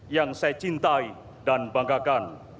yang saya cintai dan banggakan